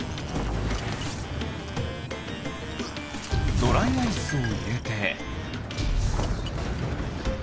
ドライアイスをいれて。